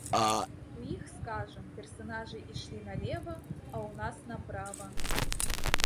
У іх, скажам, персанажы ішлі налева, а ў нас направа.